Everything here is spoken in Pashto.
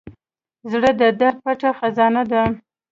زړه د درد پټه خزانه ده.